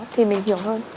thì mình hiểu hơn